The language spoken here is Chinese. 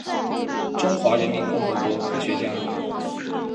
中华人民共和国科学家。